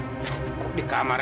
ya ikut di kamar